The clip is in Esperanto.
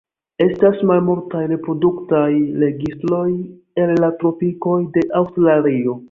Estas malmultaj reproduktaj registroj el la tropikoj de Aŭstralio.